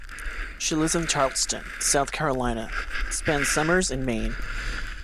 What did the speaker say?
She lives in Charleston, South Carolina, and spends summers in Maine.